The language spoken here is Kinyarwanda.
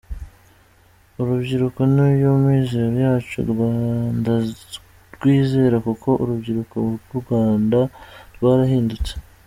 Urubyiruko ni yo mizero yacu, ndarwizera kuko urubyiruko rw’u Rwanda rwarahindutse.